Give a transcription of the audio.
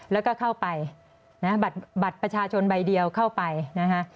แล้วก็เข้าไปนะฮะบัตรประชาชนใบเดียวเข้าไปนะคะ